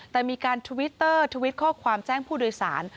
แต่มีการทวิตเตอร์ทวิตข้อความแจ้งผู้โดยสาร